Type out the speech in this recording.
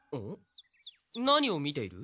何を見ている？